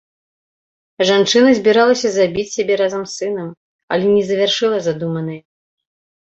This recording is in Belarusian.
Жанчына збіралася забіць сябе разам з сынам, але не завяршыла задуманае.